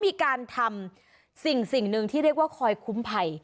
มีการทำสิ่งหนึ่งที่เรียกว่าคอยคุ้มภัย